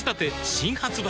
新発売